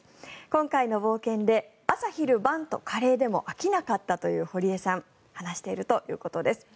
今回の冒険で朝昼晩とカレーでも飽きなかったと堀江さんは話しているということです。